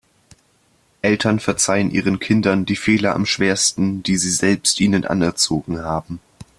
Eltern verzeihen ihren Kindern die Fehler am schwersten, die sie selbst ihnen anerzogen haben.